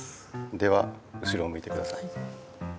では後ろをむいてください。